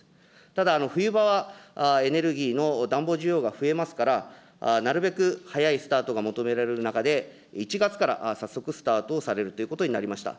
ただ、冬場はエネルギーの暖房需要が増えますから、なるべく早いスタートが求められる中で、１月から早速スタートをされるということになりました。